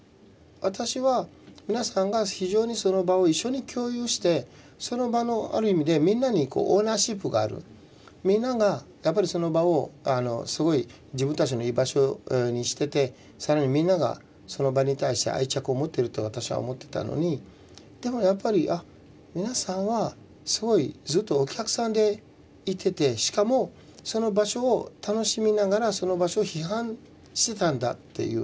私は皆さんが非常にその場を一緒に共有してその場のある意味でみんなにオーナーシップがあるみんながやっぱりその場をすごい自分たちの居場所にしててさらにみんながその場に対して愛着を持ってると私は思ってたのにでもやっぱりあっ皆さんはすごいずっとお客さんでいててしかもその場所を楽しみながらその場所を批判してたんだっていう。